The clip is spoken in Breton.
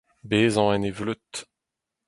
bezañ en en vleud